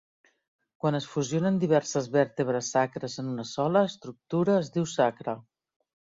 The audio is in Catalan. Quan es fusionen diverses vèrtebres sacres en una sola estructura es diu sacre.